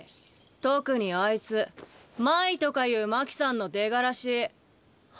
特にあいつ真依とかいう真希さんの出がらし。